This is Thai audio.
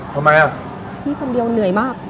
ทำไมอ่ะพี่คนเดียวเหนื่อยมาก